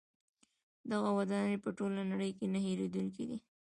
دغه ودانۍ په ټوله نړۍ کې نه هیریدونکې دي.